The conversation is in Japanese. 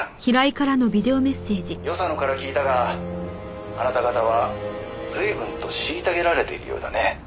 「与謝野から聞いたがあなた方は随分と虐げられているようだね」